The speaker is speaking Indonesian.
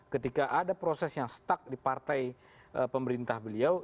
ketika ada proses yang stuck di partai pemerintah beliau